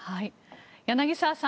柳澤さん